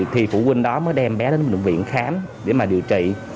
thì phụ huynh đó mới đem bé đến bệnh viện khám để mà điều trị